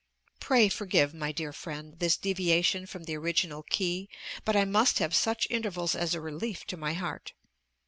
Pray forgive, my dear friend, this deviation from the original key, but I must have such intervals as a relief to my heart.